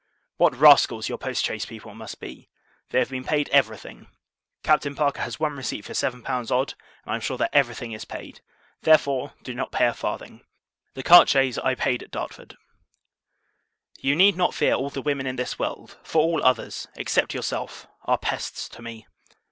What rascals your post chaise people must be! They have been paid every thing. Captain Parker has one receipt for seven pounds odd, and I am sure that every thing is paid; therefore, do not pay a farthing. The cart chaise I paid at Dartford. You need not fear all the women in this world; for all others, except yourself, are pests to me.